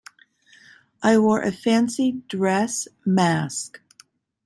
I wore a fancy dress mask.